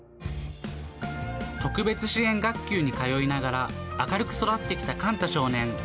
特別支援学級に通いながら、明るく育ってきた寛太少年。